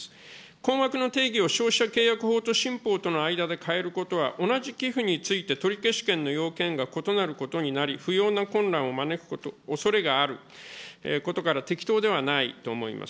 困惑の定義を消費者契約法と新法との間で変えることは、同じ寄付について取消権の要件が異なることになり、不要な混乱を招くおそれがあることから、適当ではないと思います。